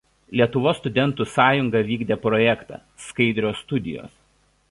Lietuvos studentų sąjunga vykdė projektą „Skaidrios studijos“.